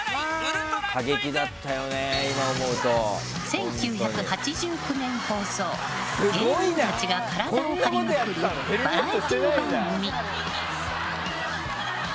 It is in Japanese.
１９８９年放送芸人たちが体を張りまくるバラエティー番組。